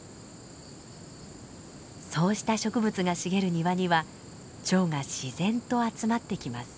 そうした植物が茂る庭にはチョウが自然と集まってきます。